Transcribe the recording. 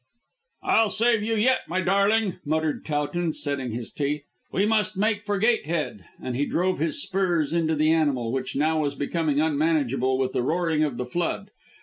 "I'll save you yet, my darling," muttered Towton, setting his teeth. "We must make for Gatehead," and he drove his spurs into the animal, which now was becoming unmanageable with the roaring of the flood.